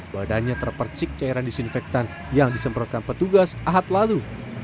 badannya terpercik cairan disinfektan yang disemprotkan petugas ahad lalu